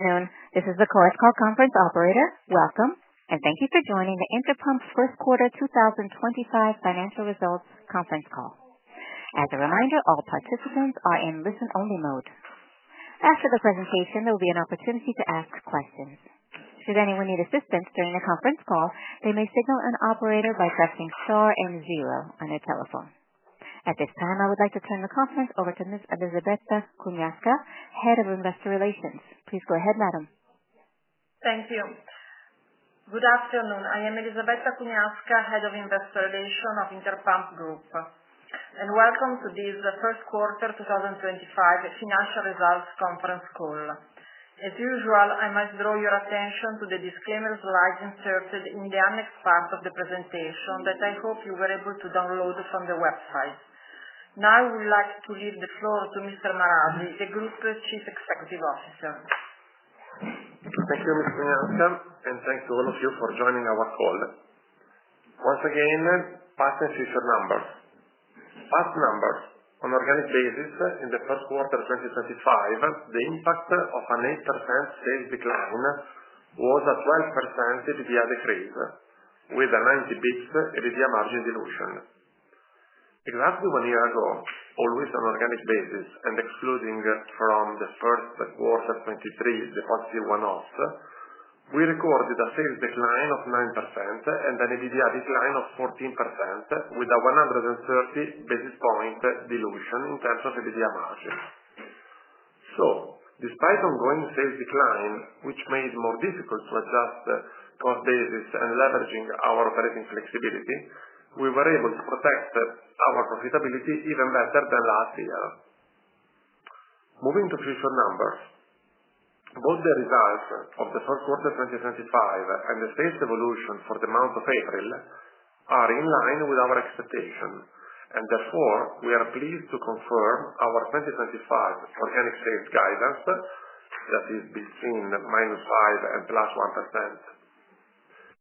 Afternoon. This is the QuestCall conference operator. Welcome, and thank you for joining the Interpump's First Quarter 2025 Financial Results Conference Call. As a reminder, all participants are in listen-only mode. After the presentation, there will be an opportunity to ask questions. Should anyone need assistance during the conference call, they may signal an operator by pressing star and zero on their telephone. At this time, I would like to turn the conference over to Ms. Elisabetta Cugnasca, Head of Investor Relations. Please go ahead, Madam. Thank you. Good afternoon. I am Elisabetta Cugnasca, Head of Investor Relations of Interpump Group. Welcome to this First Quarter 2025 Financial Results Conference Call. As usual, I must draw your attention to the disclaimer slides inserted in the annex part of the presentation that I hope you were able to download from the website. Now, I would like to leave the floor to Mr. Marasi, the Group Chief Executive Officer. Thank you, Ms. Cugnasca, and thank you all of you for joining our call. Once again, partnerships are numbered. Part numbered, on an organic basis, in the first quarter of 2025, the impact of an 8% sales decline was a 12% EBITDA decrease with a 90 basis points EBITDA margin dilution. Exactly one year ago, always on an organic basis and excluding from the first quarter 2023 the positive one-offs, we recorded a sales decline of 9% and an EBITDA decline of 14% with a 130 basis points dilution in terms of EBITDA margin. Despite ongoing sales decline, which made it more difficult to adjust cost basis and leveraging our operating flexibility, we were able to protect our profitability even better than last year. Moving to future numbers, both the results of the first quarter 2025 and the sales evolution for the month of April are in line with our expectation, and therefore, we are pleased to confirm our 2025 organic sales guidance that is between -5% and +1%.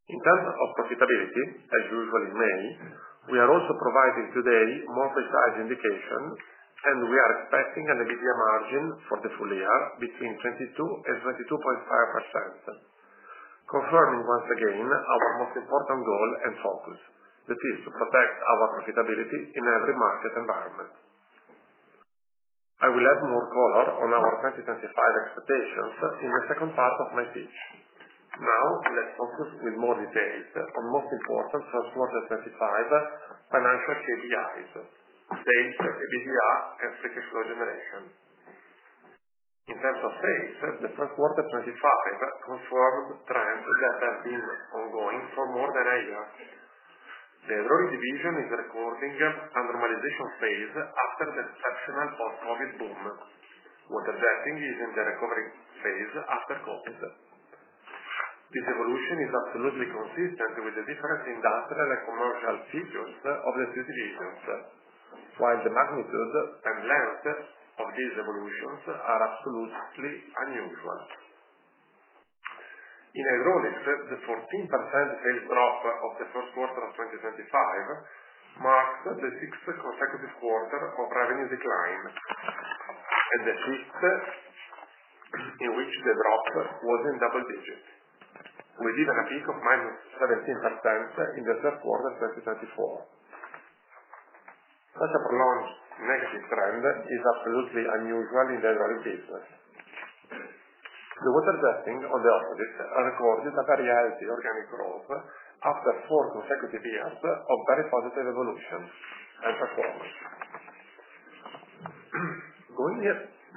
In terms of profitability, as usual in May, we are also providing today more precise indications, and we are expecting an EBITDA margin for the full year between 22%-22.5%, confirming once again our most important goal and focus, that is to protect our profitability in every market environment. I will add more color on our 2025 expectations in the second part of my pitch. Now, let's focus with more detail on the most important first quarter 2025 financial KPIs: sales, EBITDA, and free cash flow generation. In terms of sales, the first quarter 2025 confirmed trends that have been ongoing for more than a year. The ROI division is recording a normalization phase after the exceptional post-COVID boom, while the decking is in the recovery phase after COVID. This evolution is absolutely consistent with the different industrial and commercial features of the two divisions, while the magnitude and length of these evolutions are absolutely unusual. In hydraulics, the 14% sales drop of the first quarter of 2025 marks the sixth consecutive quarter of revenue decline, and the fifth in which the drop was in double digits, with even a peak of minus 17% in the third quarter of 2024. Such a prolonged negative trend is absolutely unusual in the hydraulic business. The water jetting, on the opposite, recorded a very healthy organic growth after four consecutive years of very positive evolution and performance.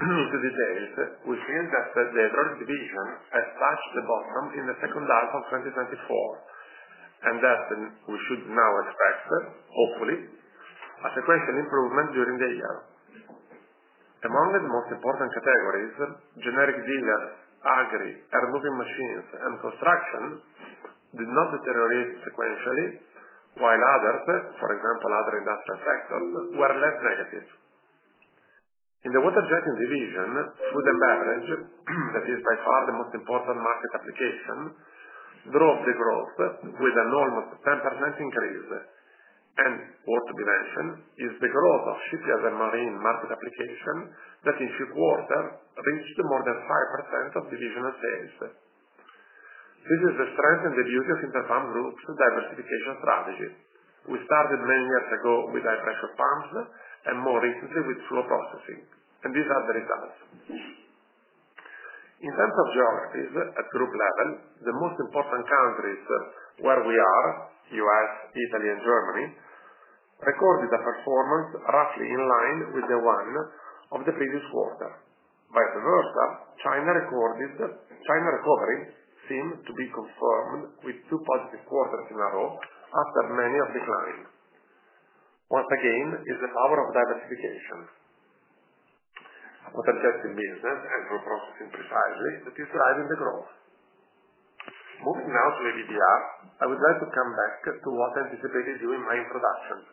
Going into detail, we feel that the hydraulic division has touched the bottom in the second half of 2024, and that we should now expect, hopefully, a sequential improvement during the year. Among the most important categories, generic dealers, agri, air moving machines, and construction did not deteriorate sequentially, while others, for example, other industrial sectors, were less negative. In the water jetting division, food and beverage, that is by far the most important market application, drove the growth with an almost 10% increase, and, worth to be mentioned, is the growth of shipyards and marine market application that in Q4 reached more than 5% of divisional sales. This is the strength and the beauty of Interpump Group's diversification strategy. We started many years ago with high-pressure pumps and more recently with flow processing, and these are the results. In terms of geographies at group level, the most important countries where we are, U.S., Italy, and Germany, recorded a performance roughly in line with the one of the previous quarter. Vice versa, China recovery seemed to be confirmed with two positive quarters in a row after many of declines. Once again, it's the power of diversification, water jetting business, and flow processing precisely, that is driving the growth. Moving now to EBITDA, I would like to come back to what anticipated you in my introduction.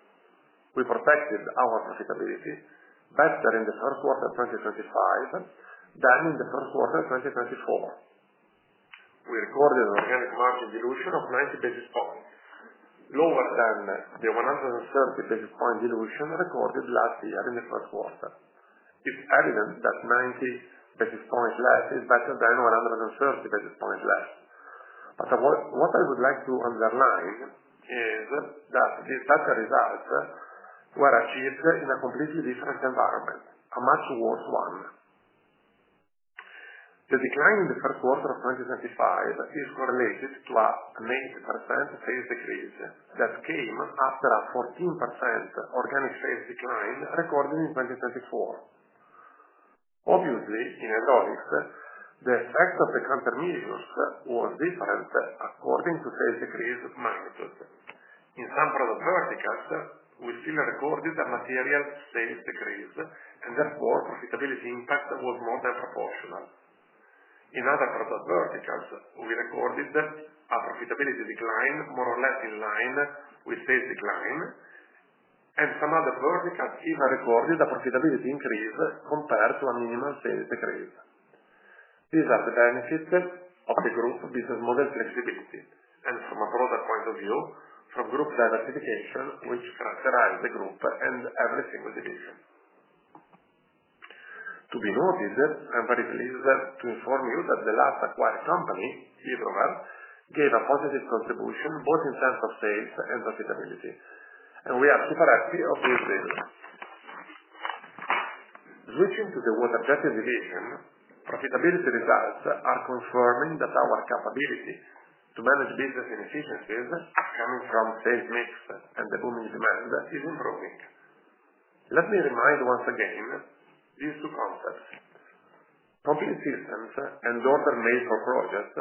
We protected our profitability better in the first quarter of 2025 than in the first quarter of 2024. We recorded an organic margin dilution of 90 basis points, lower than the 130 basis points dilution recorded last year in the first quarter. It's evident that 90 basis points less is better than 130 basis points less. What I would like to underline is that these better results were achieved in a completely different environment, a much worse one. The decline in the first quarter of 2025 is correlated to an 8% sales decrease that came after a 14% organic sales decline recorded in 2024. Obviously, in hydraulics, the effect of the countermeasures was different according to sales decrease magnitude. In some product verticals, we still recorded a material sales decrease, and therefore profitability impact was more than proportional. In other product verticals, we recorded a profitability decline more or less in line with sales decline, and some other verticals even recorded a profitability increase compared to a minimal sales decrease. These are the benefits of the group business model flexibility, and from a broader point of view, from group diversification, which characterized the group and every single division. To be noted, I'm very pleased to inform you that the last acquired company, Hidrover, gave a positive contribution both in terms of sales and profitability, and we are super happy of this result. Switching to the water jetting division, profitability results are confirming that our capability to manage business inefficiencies coming from sales mix and the booming demand is improving. Let me remind once again these two concepts. Company systems and order-based projects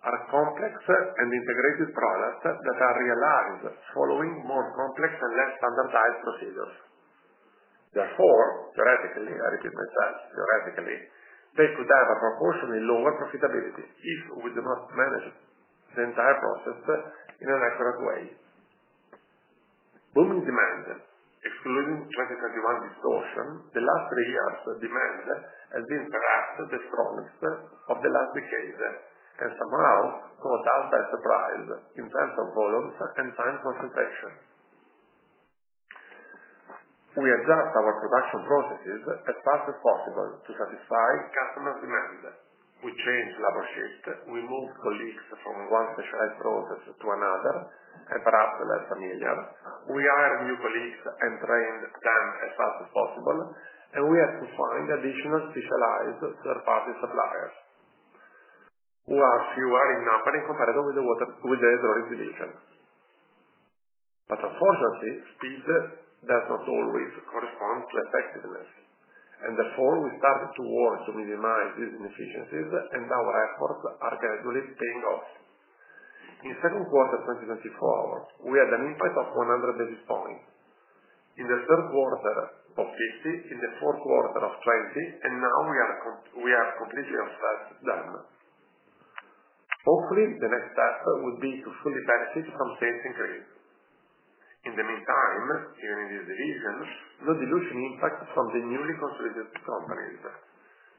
are complex and integrated products that are realized following more complex and less standardized procedures. Therefore, theoretically, I repeat myself, theoretically, they could have a proportionally lower profitability if we do not manage the entire process in an accurate way. Booming demand, excluding 2021 distortion, the last three years' demand has been perhaps the strongest of the last decade and somehow caught us by surprise in terms of volumes and time concentration. We adjust our production processes as fast as possible to satisfy customers' demand. We changed labor shifts. We moved colleagues from one specialized process to another, and perhaps less familiar. We hired new colleagues and trained them as fast as possible, and we had to find additional specialized third-party suppliers, who are fewer in number in comparison with the hydraulic division. Unfortunately, speed does not always correspond to effectiveness, and therefore we started to work to minimize these inefficiencies, and our efforts are gradually paying off. In the second quarter of 2024, we had an impact of 100 basis points. In the third quarter of 2015, in the fourth quarter of 2020, and now we are completely obsessed with them. Hopefully, the next step would be to fully benefit from sales increase. In the meantime, here in this division, no dilution impact from the newly consolidated companies,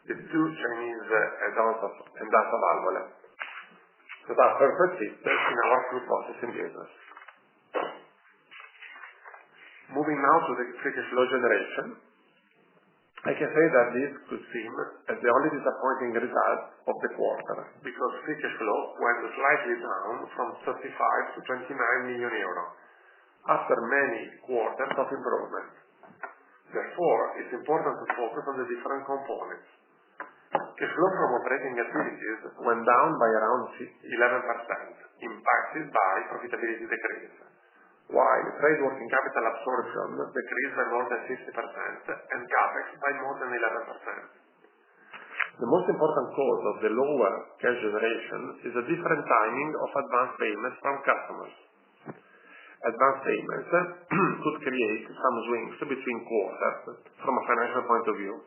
the two Chinese in data valve, that are perfect fit in our food processing business. Moving now to the free cash flow generation, I can say that this could seem as the only disappointing result of the quarter because free cash flow went slightly down from 35 million to 29 million euros after many quarters of improvement. Therefore, it's important to focus on the different components. Cash flow from operating activities went down by around 11%, impacted by profitability decrease, while trade working capital absorption decreased by more than 50% and CapEx by more than 11%. The most important cause of the lower cash generation is a different timing of advance payments from customers. Advance payments could create some swings between quarters from a financial point of view,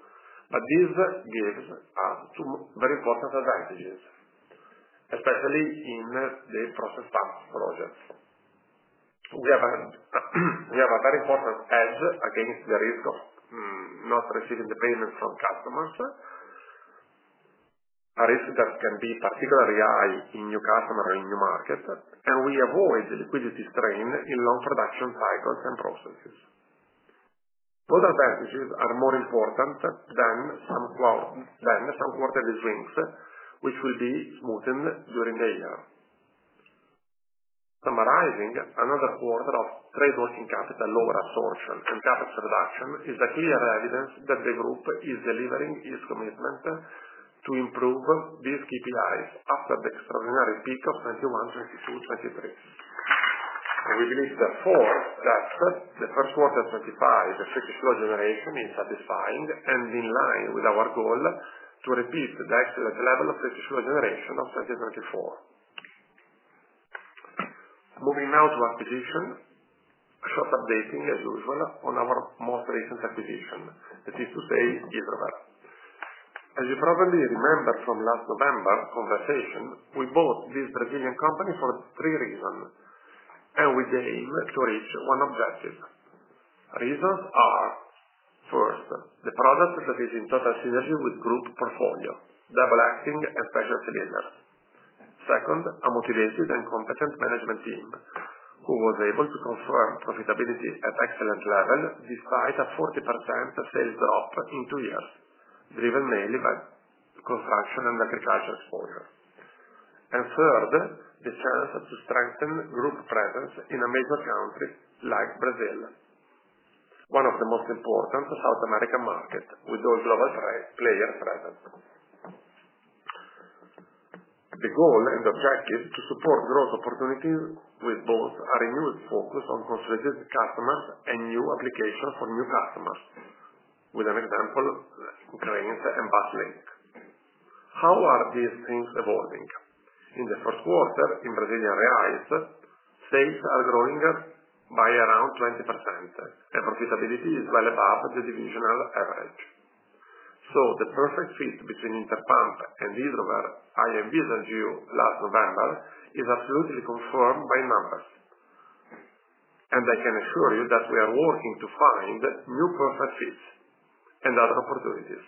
but this gives us two very important advantages, especially in the process pumps projects. We have a very important edge against the risk of not receiving the payments from customers, a risk that can be particularly high in new customers or in new markets, and we avoid the liquidity strain in long production cycles and processes. Those advantages are more important than some quarterly swings, which will be smoothened during the year. Summarizing, another quarter of trade working capital lower absorption and CapEx reduction is clear evidence that the group is delivering its commitment to improve these KPIs after the extraordinary peak of 2021, 2022, 2023. We believe, therefore, that the first quarter 2025 free cash flow generation is satisfying and in line with our goal to repeat the excellent level of free cash flow generation of 2024. Moving now to acquisition, a short updating as usual on our most recent acquisition, that is to say Hidrover. As you probably remember from last November conversation, we bought this Brazilian company for three reasons, and we aim to reach one objective. Reasons are, first, the product that is in total synergy with group portfolio, double-acting and special cylinders. Second, a motivated and competent management team who was able to confirm profitability at excellent level despite a 40% sales drop in two years, driven mainly by construction and agriculture exposure. Third, the chance to strengthen group presence in a major country like Brazil, one of the most important South American markets with those global players present. The goal and objective is to support growth opportunities with both a renewed focus on consolidated customers and new applications for new customers, with an example Grains and BassLink. How are these things evolving? In the first quarter in Brazilian real, sales are growing by around 20%, and profitability is well above the divisional average. The perfect fit between Interpump and Hidrover I envisaged you last November is absolutely confirmed by numbers, and I can assure you that we are working to find new perfect fits and other opportunities.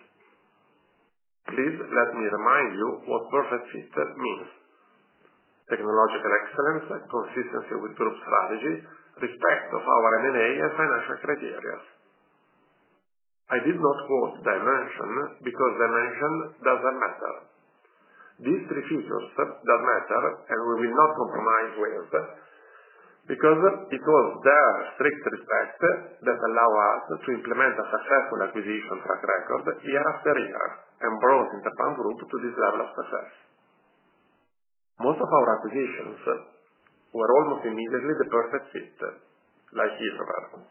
Please let me remind you what perfect fit means: technological excellence, consistency with group strategy, respect of our M&A and financial criteria. I did not quote dimension because dimension does not matter. These three features do matter, and we will not compromise with them because it was their strict respect that allowed us to implement a successful acquisition track record year after year and brought Interpump Group to this level of success. Most of our acquisitions were almost immediately the perfect fit, like Hidrover.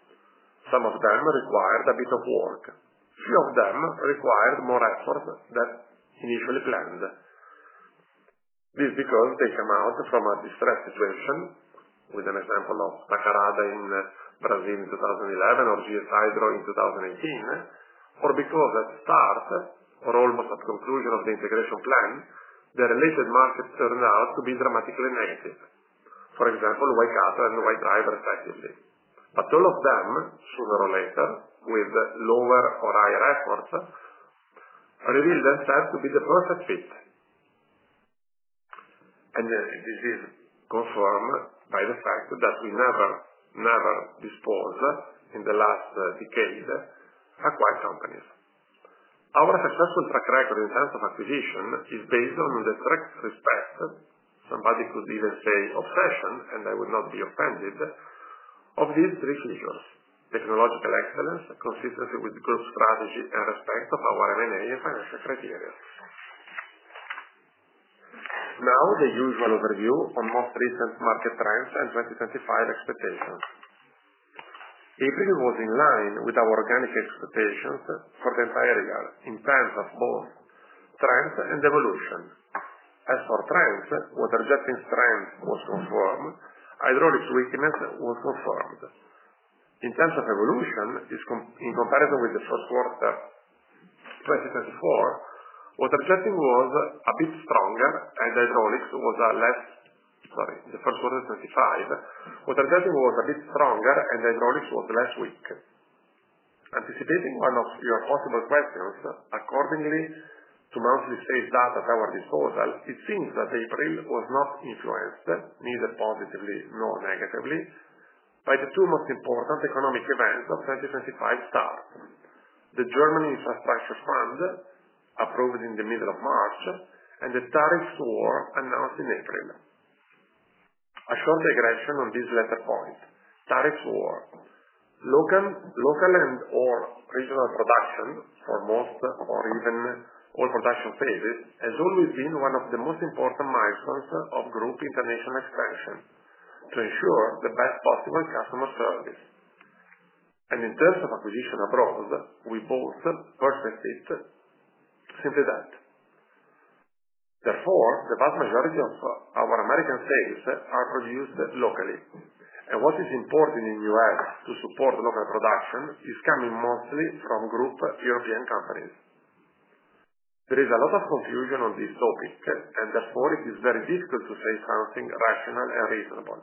Some of them required a bit of work. Few of them required more effort than initially planned. This is because they come out from a distressed situation, with an example of Tacarada in Brazil in 2011 or GS Hydro in 2018, or because at the start or almost at the conclusion of the integration plan, the related markets turned out to be dramatically negative, for example, Y-Cata and Y-Drive respectively. All of them, sooner or later, with lower or higher efforts, revealed themselves to be the perfect fit. This is confirmed by the fact that we never, never disposed in the last decade of acquired companies. Our successful track record in terms of acquisition is based on the strict respect, somebody could even say obsession, and I would not be offended, of these three features: technological excellence, consistency with group strategy, and respect of our M&A and financial criteria. Now, the usual overview on most recent market trends and 2025 expectations. April was in line with our organic expectations for the entire year in terms of both trends and evolution. As for trends, water jetting strength was confirmed. Hydraulics weakness was confirmed. In terms of evolution, in comparison with the first quarter 2024, water jetting was a bit stronger, and hydraulics was less—sorry, the first quarter 2025, water jetting was a bit stronger, and hydraulics was less weak. Anticipating one of your possible questions, accordingly to monthly sales data at our disposal, it seems that April was not influenced, neither positively nor negatively, by the two most important economic events of 2025 start: the German Infrastructure Fund approved in the middle of March and the tariffs war announced in April. A short digression on this latter point: tariffs war. Local and/or regional production for most or even all production phases has always been one of the most important milestones of group international expansion to ensure the best possible customer service. In terms of acquisition abroad, we both perfect it simply that. Therefore, the vast majority of our American sales are produced locally, and what is important in the U.S. to support local production is coming mostly from group European companies. There is a lot of confusion on this topic, and therefore it is very difficult to say something rational and reasonable.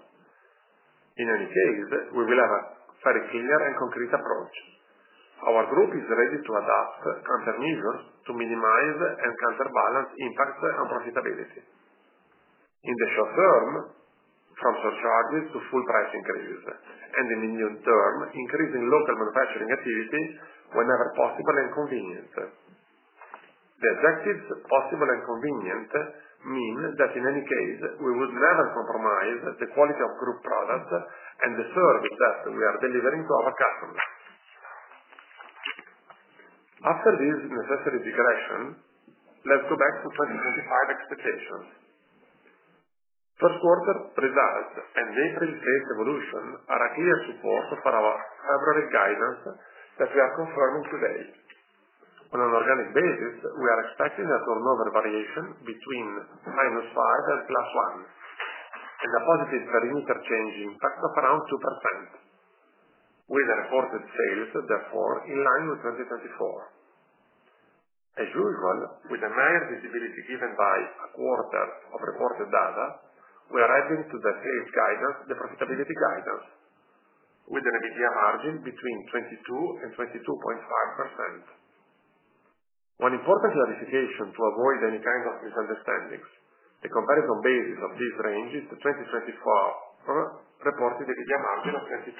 In any case, we will have a very clear and concrete approach. Our group is ready to adopt countermeasures to minimize and counterbalance impact on profitability. In the short term, from surcharges to full price increases, and in the medium term, increasing local manufacturing activity whenever possible and convenient. The objectives, possible and convenient, mean that in any case, we would never compromise the quality of group products and the service that we are delivering to our customers. After this necessary digression, let's go back to 2025 expectations. First quarter results and April sales evolution are a clear support for our February guidance that we are confirming today. On an organic basis, we are expecting a turnover variation between -5% and +1% and a positive perimeter change impact of around 2%. We have reported sales, therefore, in line with 2024. As usual, with the mere visibility given by a quarter of reported data, we are adding to the sales guidance the profitability guidance, with an immediate margin between 22%-22.5%. One important clarification to avoid any kind of misunderstandings: the comparison basis of this range is the 2024 reported immediate margin of 22%.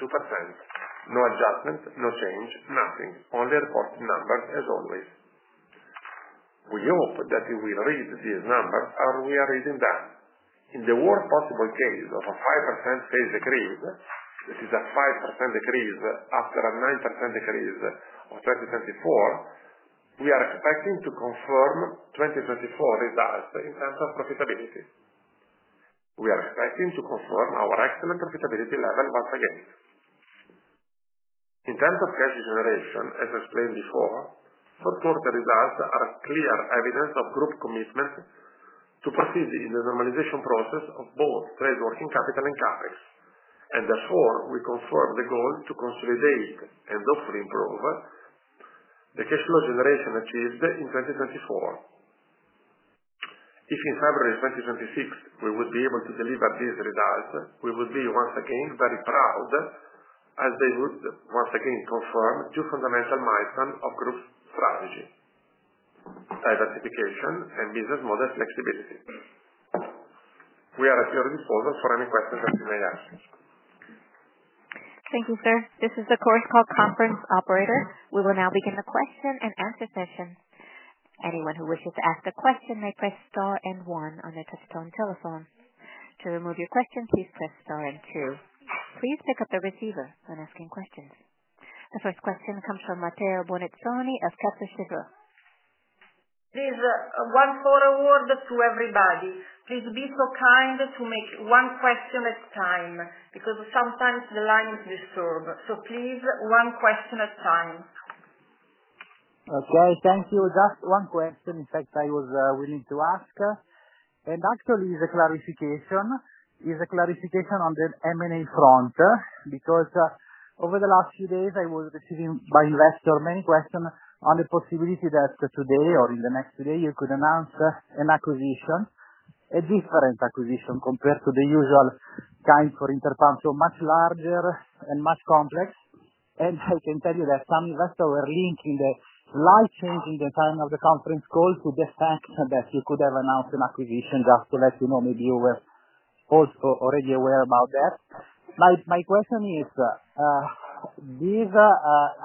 No adjustment, no change, nothing. Only reported numbers as always. We hope that you will read these numbers as we are reading them. In the worst possible case of a 5% sales decrease, that is a 5% decrease after a 9% decrease of 2024, we are expecting to confirm 2024 results in terms of profitability. We are expecting to confirm our excellent profitability level once again. In terms of cash generation, as explained before, third quarter results are clear evidence of group commitment to proceed in the normalization process of both trade working capital and CapEx. Therefore, we confirm the goal to consolidate and hopefully improve the cash flow generation achieved in 2024. If in February 2026 we would be able to deliver these results, we would be once again very proud as they would once again confirm two fundamental milestones of group strategy: diversification and business model flexibility. We are at your disposal for any questions that you may ask. Thank you, sir. This is the Course Call Conference Operator. We will now begin the question and answer session. Anyone who wishes to ask a question may press star and one on their touch-tone telephone. To remove your question, please press star and two. Please pick up the receiver when asking questions. The first question comes from Matteo Bonizzoni of Kepler Cheuvreux. Please, one photo award to everybody. Please be so kind to make one question at a time because sometimes the line is disturbed. Please, one question at a time. Okay. Thank you. Just one question, in fact, I was willing to ask. Actually, the clarification is a clarification on the M&A front because over the last few days, I was receiving by investor many questions on the possibility that today or in the next day you could announce an acquisition, a different acquisition compared to the usual kind for Interpump, so much larger and much complex. I can tell you that some investors were linking the slight change in the time of the conference call to the fact that you could have announced an acquisition. Just to let you know, maybe you were also already aware about that. My question is, this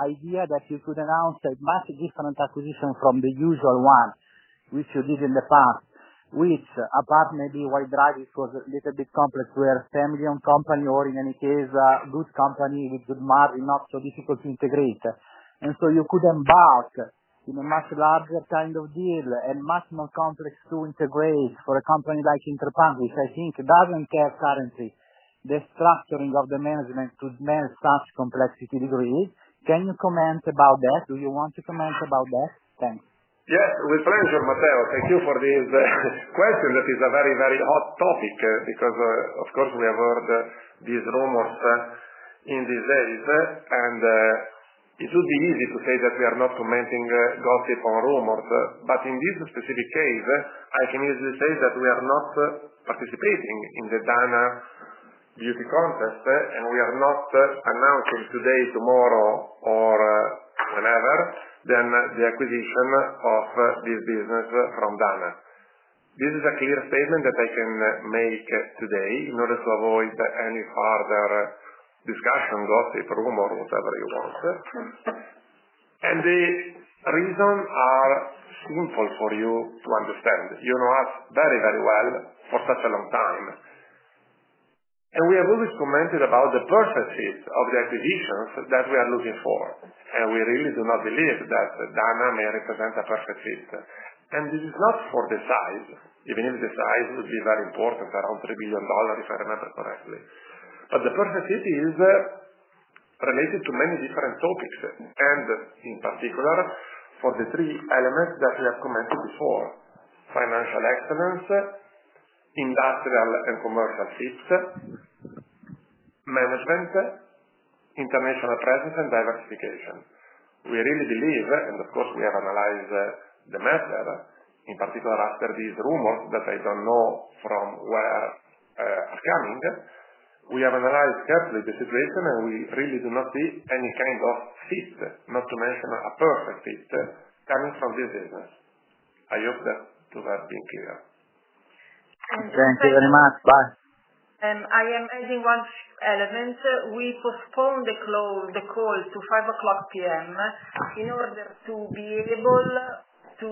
idea that you could announce a much different acquisition from the usual one, which you did in the past, which apart maybe Y-Drive, it was a little bit complex, where family-owned company or in any case a good company with good margin not so difficult to integrate. You could embark in a much larger kind of deal and much more complex to integrate for a company like Interpump, which I think does not carry currently the structuring of the management to manage such complexity degree. Can you comment about that? Do you want to comment about that? Thanks. Yes, with pleasure, Matteo. Thank you for this question that is a very, very hot topic because, of course, we have heard these rumors in these days. It would be easy to say that we are not commenting gossip on rumors. In this specific case, I can easily say that we are not participating in the Dana Beauty Contest, and we are not announcing today, tomorrow, or whenever the acquisition of this business from Dana. This is a clear statement that I can make today in order to avoid any further discussion, gossip, rumor, whatever you want. The reasons are simple for you to understand. You know us very, very well for such a long time. We have always commented about the perfect fit of the acquisitions that we are looking for. We really do not believe that Dana may represent a perfect fit. This is not for the size, even if the size would be very important, around $3 billion, if I remember correctly. The perfect fit is related to many different topics, and in particular for the three elements that we have commented before: financial excellence, industrial and commercial fit, management, international presence, and diversification. We really believe, and of course, we have analyzed the matter, in particular after these rumors that I do not know from where are coming. We have analyzed carefully the situation, and we really do not see any kind of fit, not to mention a perfect fit coming from this business. I hope to have been clear. Thank you very much. Bye. I am adding one element. We postponed the call to 5:00 P.M. in order to be able to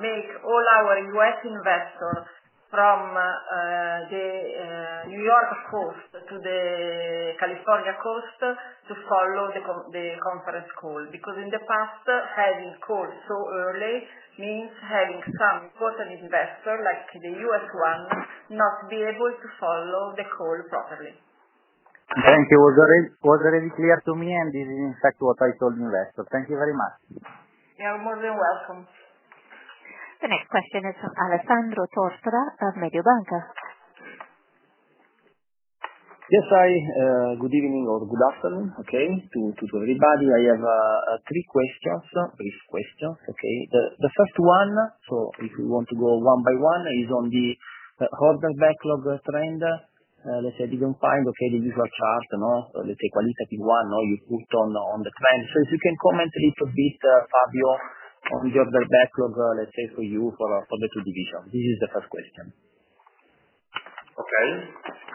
make all our U.S. investors from the New York Coast to the California Coast to follow the conference call because in the past, having called so early means having some important investor like the U.S. one not be able to follow the call properly. Thank you. It was already clear to me, and this is, in fact, what I told investors. Thank you very much. You're more than welcome. The next question is from Alessandro Tortora of Mediobanca. Yes, hi. Good evening or good afternoon, okay, to everybody. I have three questions, brief questions, okay? The first one, so if we want to go one by one, is on the order backlog trend. Let's say I didn't find, okay, the usual chart, no? Let's say qualitative one, no? You put on the trend. If you can comment a little bit, Fabio, on the order backlog, let's say, for you, for the two divisions. This is the first question. Okay.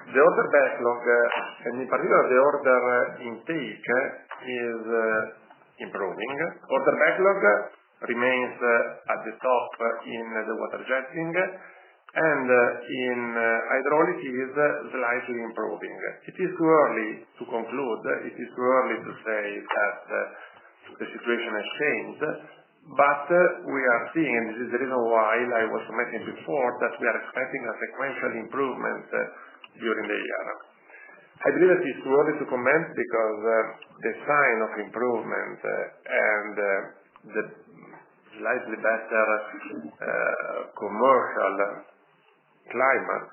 The order backlog, and in particular, the order intake is improving. Order backlog remains at the top in the water jetting, and in hydraulics, it is slightly improving. It is too early to conclude. It is too early to say that the situation has changed. We are seeing, and this is the reason why I was commenting before, that we are expecting a sequential improvement during the year. I believe that it is too early to comment because the sign of improvement and the slightly better commercial climate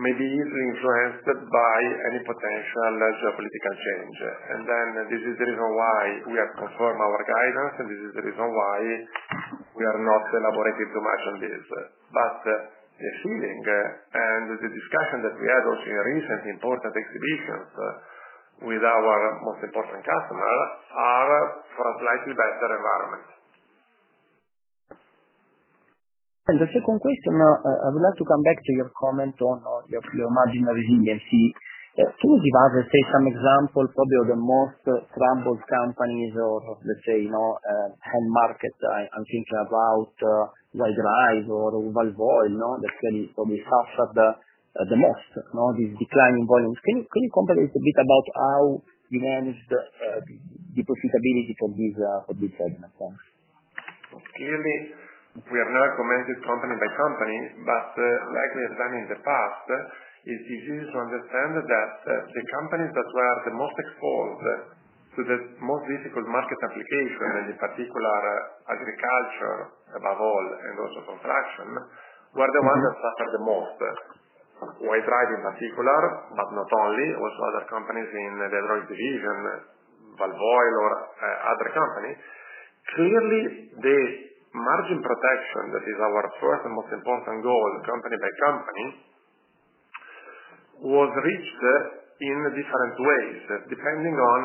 may be easily influenced by any potential geopolitical change. This is the reason why we have confirmed our guidance, and this is the reason why we are not elaborating too much on this. The feeling and the discussion that we had also in recent important exhibitions with our most important customer are for a slightly better environment. The second question, I would like to come back to your comment on your margin resiliency. Can you give us, let's say, some example probably of the most troubled companies or, let's say, end markets? I'm thinking about Y-Drive or Valvoil, that really probably suffered the most, this decline in volumes. Can you comment a little bit about how you managed the profitability for these segments? Clearly, we have never commented company by company, but like we have done in the past, it is easy to understand that the companies that were the most exposed to the most difficult market application, and in particular, agriculture above all, and also construction, were the ones that suffered the most. Y-Drive in particular, but not only, also other companies in the hydraulic division, Valvoil or other companies. Clearly, the margin protection, that is our first and most important goal, company by company, was reached in different ways, depending on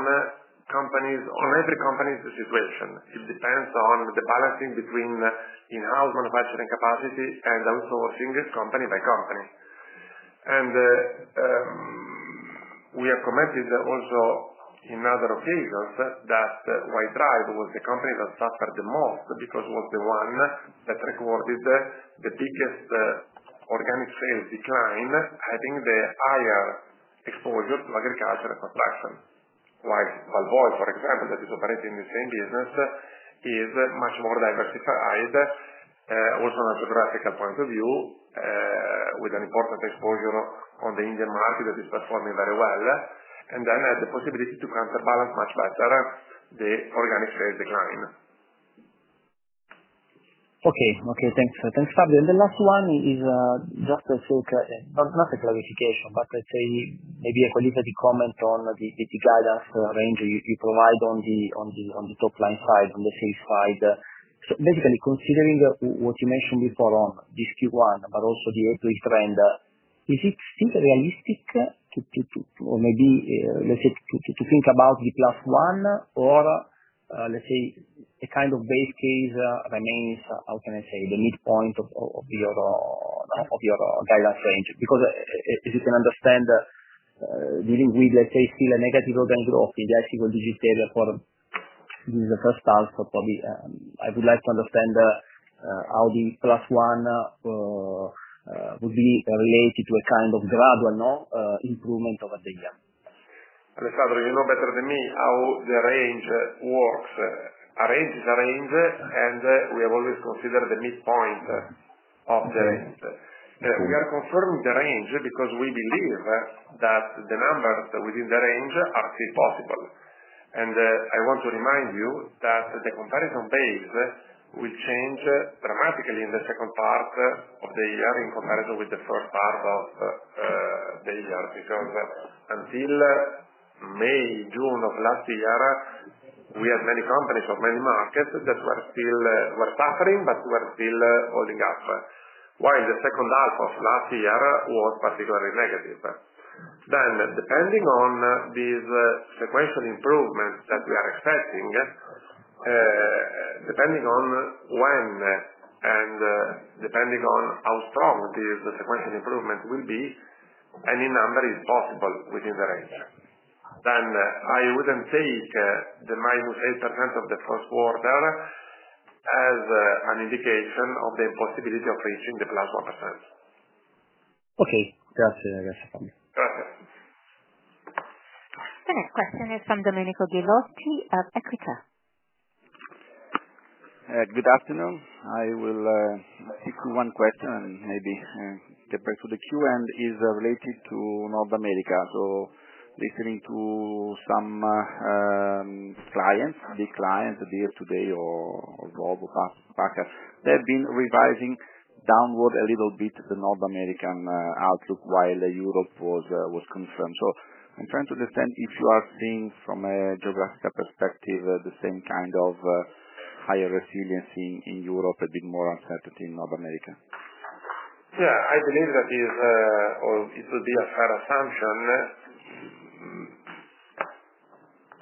every company's situation. It depends on the balancing between in-house manufacturing capacity and outsourcing company by company. We have commented also in other occasions that Y-Drive was the company that suffered the most because it was the one that recorded the biggest organic sales decline, having the higher exposure to agriculture and construction. While Valvoil, for example, that is operating in the same business, is much more diversified, also on a geographical point of view, with an important exposure on the Indian market that is performing very well, and then had the possibility to counterbalance much better the organic sales decline. Okay. Okay. Thanks, Fabio. The last one is just a quick, not a clarification, but let's say maybe a qualitative comment on the guidance range you provide on the top line side, on the sales side. Basically, considering what you mentioned before on this Q1, but also the eight-week trend, is it still realistic to, or maybe, let's say, to think about the plus one, or let's say a kind of base case remains, how can I say, the midpoint of your guidance range? Because, as you can understand, dealing with, let's say, still a negative organic growth in the IC World Digital area for this first half, so probably I would like to understand how the plus one would be related to a kind of gradual improvement over the year. Alessandro, you know better than me how the range works. A range is a range, and we have always considered the midpoint of the range. We are confirming the range because we believe that the numbers within the range are still possible. I want to remind you that the comparison base will change dramatically in the second part of the year in comparison with the first half of the year because until May, June of last year, we had many companies or many markets that were suffering but were still holding up, while the second half of last year was particularly negative. Depending on these sequential improvements that we are expecting, depending on when and depending on how strong these sequential improvements will be, any number is possible within the range. I would not take the -8% of the first quarter as an indication of the possibility of reaching the +1%. Okay. Gotcha. I guess I found it. Gotcha. The next question is from Domenico Ghilotti of Equita. Good afternoon. I will ask you one question and maybe get back to the queue. And it is related to North America. So listening to some clients, big clients, be it today or global back. They have been revising downward a little bit the North American outlook while Europe was confirmed. So I'm trying to understand if you are seeing from a geographical perspective the same kind of higher resiliency in Europe, a bit more uncertainty in North America. Yeah. I believe that it will be a fair assumption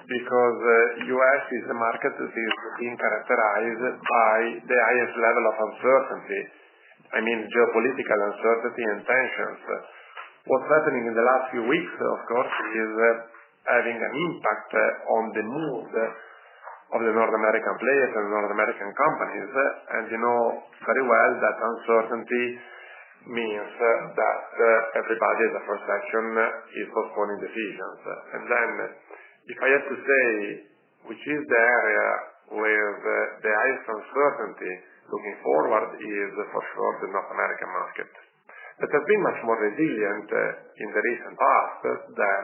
because the U.S. is a market that is being characterized by the highest level of uncertainty, I mean, geopolitical uncertainty and tensions. What's happening in the last few weeks, of course, is having an impact on the mood of the North American players and North American companies. You know very well that uncertainty means that everybody in the first section is postponing decisions. If I have to say, which is the area where the highest uncertainty looking forward is, for sure the North American market has been much more resilient in the recent past than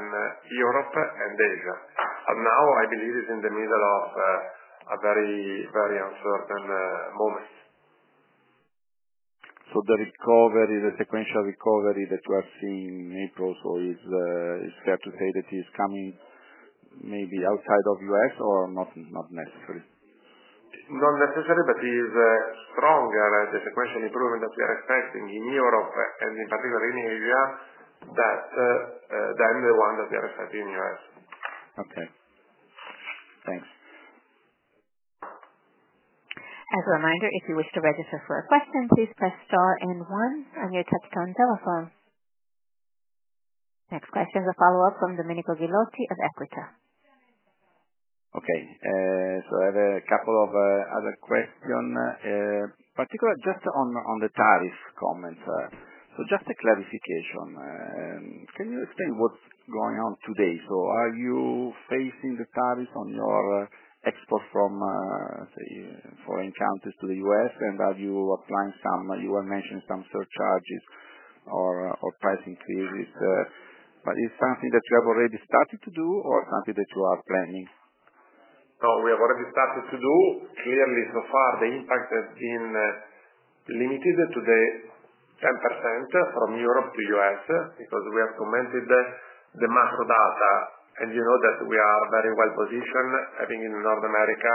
Europe and Asia. Now I believe it's in the middle of a very, very uncertain moment. The recovery, the sequential recovery that you are seeing in April, so it's fair to say that it's coming maybe outside of the U.S. or not necessary? Not necessary, but it is stronger, the sequential improvement that we are expecting in Europe and in particular in Asia, than the one that we are expecting in the U.S. Okay. Thanks. As a reminder, if you wish to register for a question, please press star and one on your touch-tone telephone. Next question is a follow-up from Domenico Ghilotti of Equita. Okay. So I have a couple of other questions, particularly just on the tariff comments. So just a clarification. Can you explain what's going on today? So are you facing the tariffs on your exports from, let's say, foreign countries to the U.S., and are you applying some—you were mentioning some surcharges or price increases—but is it something that you have already started to do or something that you are planning? No, we have already started to do. Clearly, so far, the impact has been limited to the 10% from Europe to the U.S. because we have commented the macro data. You know that we are very well positioned, having in North America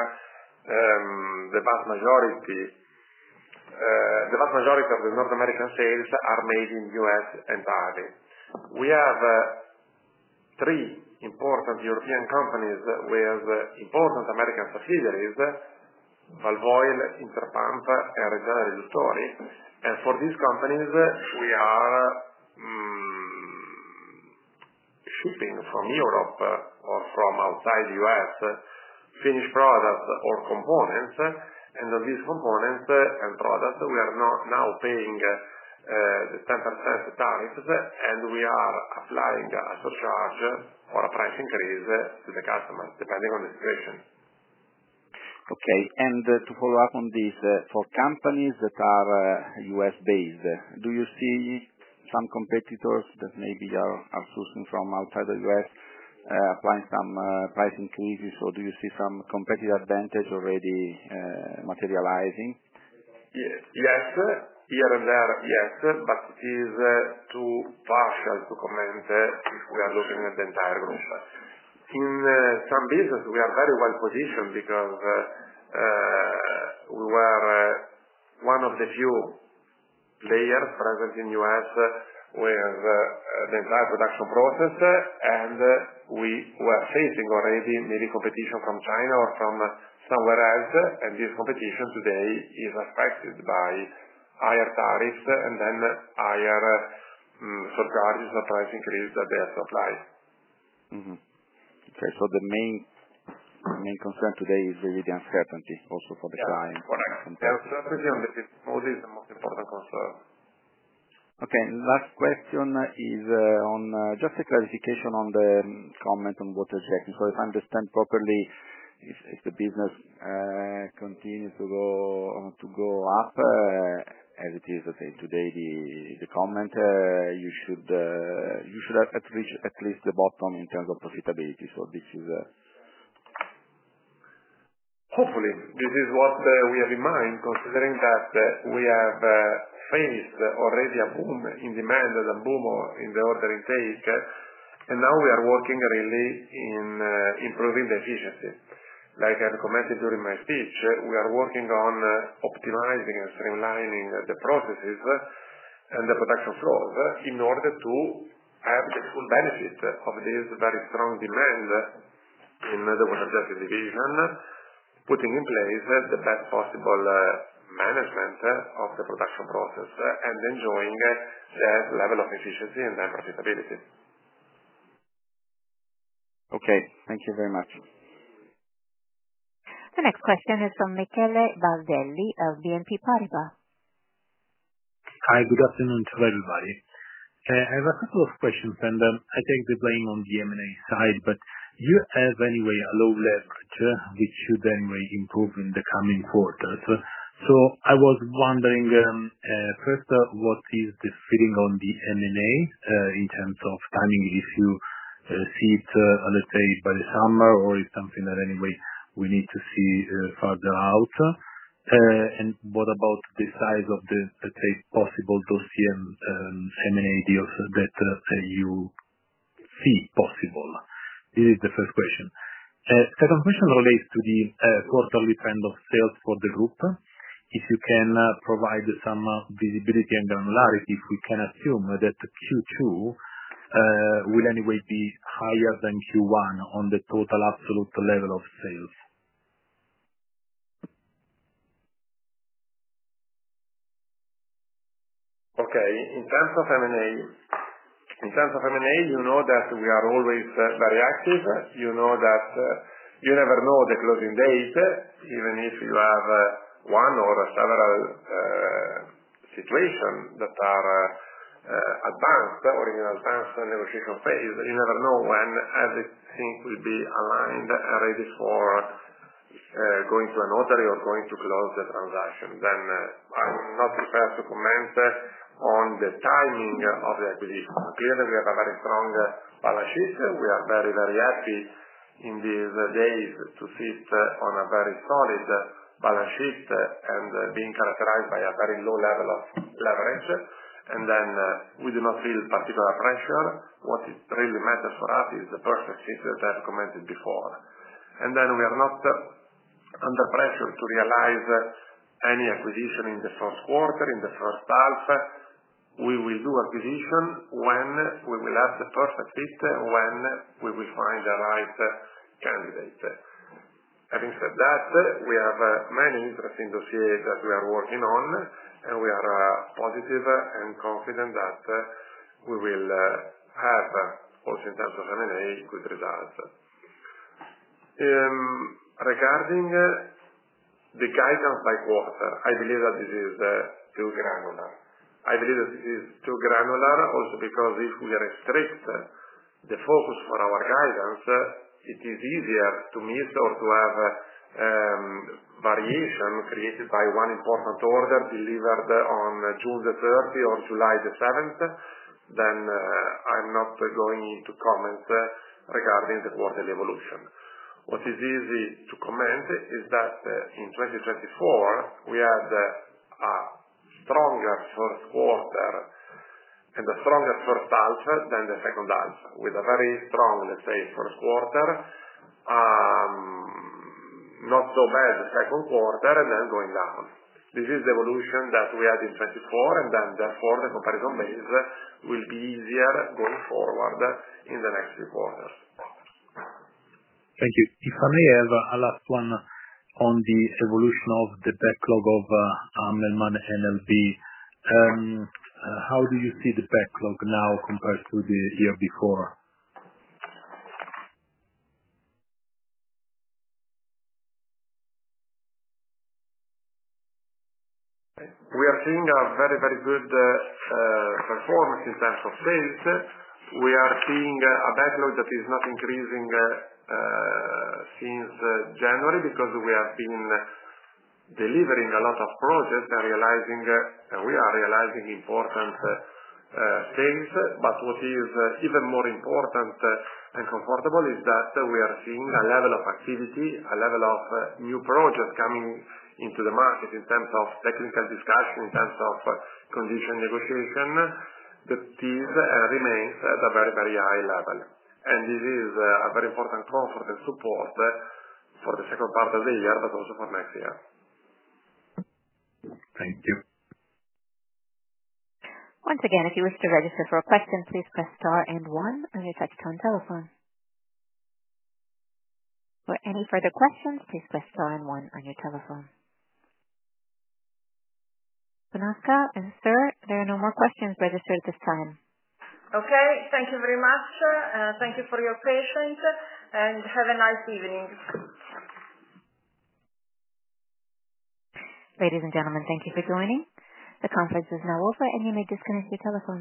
the vast majority of the North American sales are made in the U.S. entirely. We have three important European companies with important American subsidiaries: Valvoil, Interpump, and Reggiana Riduttori. For these companies, we are shipping from Europe or from outside the U.S. finished products or components. On these components and products, we are now paying the 10% tariffs, and we are applying a surcharge or a price increase to the customers, depending on the situation. Okay. To follow up on this, for companies that are U.S.-based, do you see some competitors that maybe are sourcing from outside the U.S., applying some price increases, or do you see some competitive advantage already materializing? Yes. Here and there, yes, but it is too partial to comment if we are looking at the entire group. In some businesses, we are very well positioned because we were one of the few players present in the U.S. with the entire production process, and we were facing already maybe competition from China or from somewhere else. This competition today is affected by higher tariffs and then higher surcharges or price increase that they have to apply. Okay. The main concern today is really the uncertainty also for the client. Yes. For uncertainty, and this is most important concern. Okay. Last question is just a clarification on the comment on water jetting. If I understand properly, if the business continues to go up, as it is, let's say, today, the comment, you should have reached at least the bottom in terms of profitability. This is what we have in mind, considering that we have faced already a boom in demand and a boom in the order intake. Now we are working really in improving the efficiency. Like I have commented during my speech, we are working on optimizing and streamlining the processes and the production flows in order to have the full benefit of this very strong demand in the water jetting division, putting in place the best possible management of the production process and enjoying that level of efficiency and then profitability. Okay. Thank you very much. The next question is from Michele Baldelli of BNP Paribas. Hi. Good afternoon to everybody. I have a couple of questions, and I take the blame on the M&A side, but you have anyway a low leverage which should anyway improve in the coming quarters. I was wondering, first, what is the feeling on the M&A in terms of timing? If you see it, let's say, by the summer, or is it something that anyway we need to see further out? What about the size of the, let's say, possible dossier M&A deals that you see possible? This is the first question. Second question relates to the quarterly trend of sales for the group. If you can provide some visibility and granularity, if we can assume that Q2 will anyway be higher than Q1 on the total absolute level of sales. Okay. In terms of M&A, you know that we are always very active. You never know the closing date, even if you have one or several situations that are advanced or in an advanced negotiation phase. You never know when everything will be aligned and ready for going to a notary or going to close the transaction. I am not prepared to comment on the timing of the acquisition. Clearly, we have a very strong balance sheet. We are very, very happy in these days to sit on a very solid balance sheet and being characterized by a very low level of leverage. We do not feel particular pressure. What really matters for us is the perfect fit that I have commented before. We are not under pressure to realize any acquisition in the first quarter, in the first half. We will do acquisition when we will have the perfect fit, when we will find the right candidate. Having said that, we have many interesting dossiers that we are working on, and we are positive and confident that we will have, also in terms of M&A, good results. Regarding the guidance by quarter, I believe that this is still granular. I believe that this is still granular also because if we restrict the focus for our guidance, it is easier to miss or to have variation created by one important order delivered on June 30 or July 7 than I'm not going into comments regarding the quarterly evolution. What is easy to comment is that in 2024, we had a stronger first quarter and a stronger first half than the second half, with a very strong, let's say, first quarter, not so bad the second quarter, and then going down. This is the evolution that we had in 2024, and therefore the comparison base will be easier going forward in the next few quarters. Thank you. If I may have a last one on the evolution of the backlog of Amplicon NLB, how do you see the backlog now compared to the year before? We are seeing a very, very good performance in terms of sales. We are seeing a backlog that is not increasing since January because we have been delivering a lot of projects and realizing that we are realizing important sales. What is even more important and comfortable is that we are seeing a level of activity, a level of new projects coming into the market in terms of technical discussion, in terms of condition negotiation, that is and remains at a very, very high level. This is a very important comfort and support for the second part of the year, but also for next year. Thank you. Once again, if you wish to register for a question, please press star and one on your touch-tone telephone. For any further questions, please press star and one on your telephone. Ladies and gentlemen, there are no more questions registered at this time. Okay. Thank you very much. Thank you for your patience, and have a nice evening. Ladies and gentlemen, thank you for joining. The conference is now over, and you may disconnect your telephones.